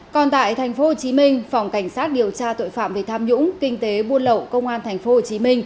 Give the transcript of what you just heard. còn tại tp hcm phòng cảnh sát điều tra tội phạm về tham nhũng kinh tế buôn lậu công an tp hcm